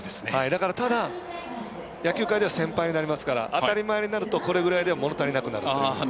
ただ、野球界では先輩になりますから当たり前になるとこれぐらいではもの足りなくなる。